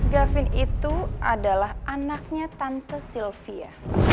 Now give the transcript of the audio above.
gavin itu adalah anaknya tante sylvia